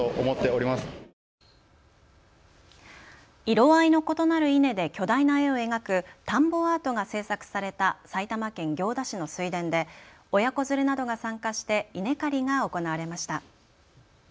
色合いの異なる稲で巨大な絵を描く田んぼアートが制作された埼玉県行田市の水田で親子連れなどが参加して稲刈りが行われました。